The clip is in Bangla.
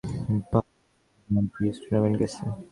বাবা-মা ব্রিজ টুর্নামেন্টে গেছে।